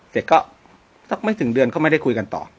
เสร็จก็สักไม่ถึงเดือนก็ไม่ได้คุยกันต่อ